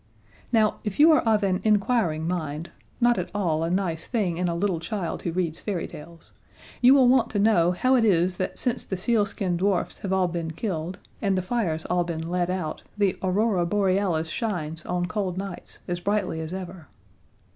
Now, if you are of an inquiring mind not at all a nice thing in a little child who reads fairy tales you will want to know how it is that since the sealskin dwarfs have all been killed, and the fires all been let out, the Aurora Borealis shines, on cold nights, as brightly as ever.